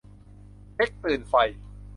เจ๊กตื่นไฟ